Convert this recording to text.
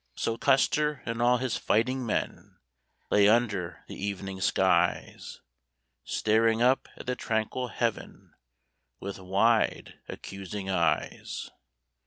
So Custer and all his fighting men Lay under the evening skies, Staring up at the tranquil heaven With wide, accusing eyes.